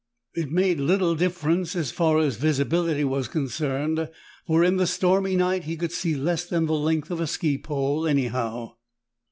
It made little difference as far as visibility was concerned, for, in the stormy night, he could see less than the length of a ski pole anyhow.